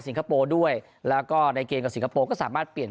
คโปร์ด้วยแล้วก็ในเกมกับสิงคโปร์ก็สามารถเปลี่ยน